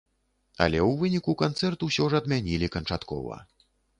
Але ў выніку канцэрт усё ж адмянілі канчаткова.